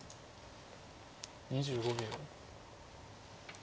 ２５秒。